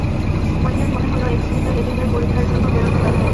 মইনের মনে হলো এক্ষুনি তার রেডি হয়ে পরীক্ষার জন্য বেরোনো দরকার।